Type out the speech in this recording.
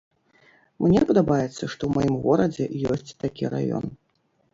Мне падабаецца, што ў маім горадзе ёсць такі раён.